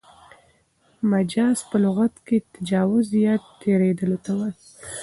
مجاز په لغت کښي تجاوز یا تېرېدلو ته وايي.